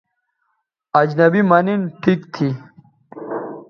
اجنبی مہ نِن ٹھیک تھی